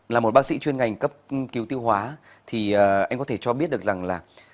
là một bác sĩ chuyên ngành cấp cứu tiêu hóa thì anh có thể cho biết được rằng là